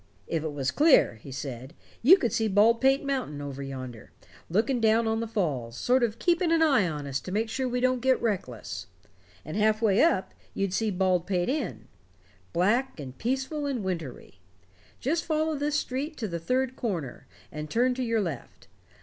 "If it was clear," he said, "you could see Baldpate Mountain, over yonder, looking down on the Falls, sort of keeping an eye on us to make sure we don't get reckless. And half way up you'd see Baldpate Inn, black and peaceful and winter y. Just follow this street to the third corner, and turn to your left.